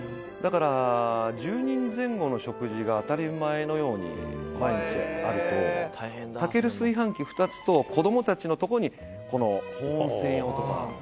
「だから１０人前後の食事が当たり前のように毎日あると炊ける炊飯器２つと子供たちのとこにこの保温専用とか」